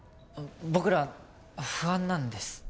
僕ら不安なんです。